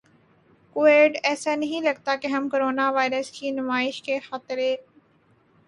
Covid ایسا نہیں لگتا کہ ہم کورونا وائرس کی نمائش کے خطرے ک